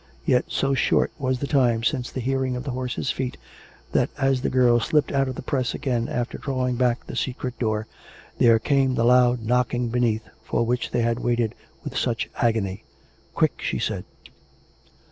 Yet so short was the time since the hearing of the horses' feet, that as the girl slipped out of the press again after drawing back the secret door, there came the loud knocking beneath, for which they had waited with such agony. " Quick !" she said.